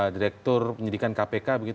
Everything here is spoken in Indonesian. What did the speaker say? direktur penyidikan kpk